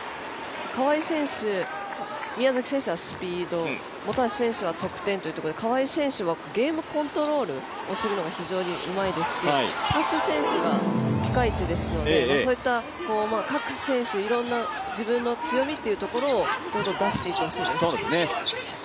川井選手、宮崎選手はスピード本橋選手は得点ということで川井選手はゲームコントロールをするのが非常にうまいですしパスセンスがピカイチですのでそういった各選手いろんな自分の強みというのをどんどん出していってほしいです。